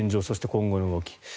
そして、今後の動き。